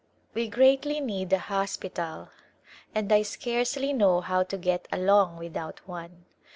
We greatly need a hospital and I scarcely know how to get along without one.